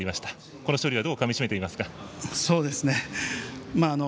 この勝利はどうかみ締めていますか？